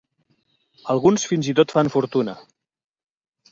Alguns fins i tot fan fortuna.